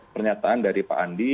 pernyataan dari pak andi